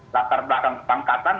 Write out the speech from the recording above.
latar belakang kebangkatan